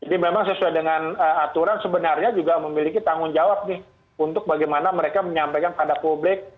jadi memang sesuai dengan aturan sebenarnya juga memiliki tanggung jawab nih untuk bagaimana mereka menyampaikan pada publik